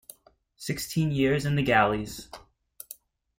Sixteen years in the galleys!